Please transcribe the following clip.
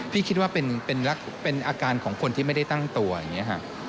พี่คิดว่าเป็นอาการของคนที่ไม่ได้ตั้งตัวอย่างนี้ค่ะ